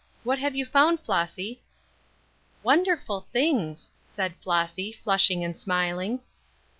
What have you found, Flossy?" "Wonderful things," said Flossy, flushing and smiling.